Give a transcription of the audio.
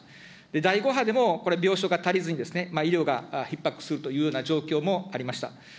第５波でも、これ、病床が足りずに医療がひっ迫するというような状況もありました。